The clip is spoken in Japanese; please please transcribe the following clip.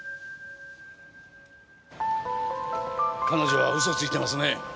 彼女は嘘ついていますねえ。